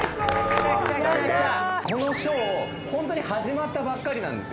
このショーホントに始まったばっかりなんですよ。